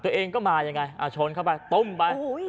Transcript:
ตัวเองก็มายังไงชนเข้าไปตุ้มไป